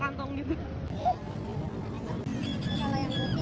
ini janggut hitam